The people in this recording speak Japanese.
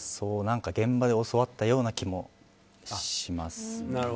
現場で教わったような気もします。